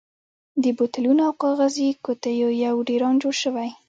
د بوتلونو او کاغذي قوتیو یو ډېران جوړ شوی.